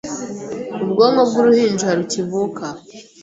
ubwonko bw’uruhinja rukivuka